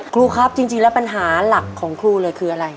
ครูครับจริงแล้วปัญหาหลักของครูเลยคืออะไร